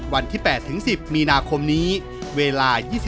วันที่๘๑๐มีนาคมนี้เวลา๒๓นาฬิกา